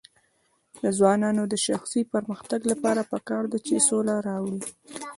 د ځوانانو د شخصي پرمختګ لپاره پکار ده چې سوله راوړي.